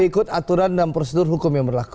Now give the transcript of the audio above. ikut aturan dan prosedur hukum yang berlaku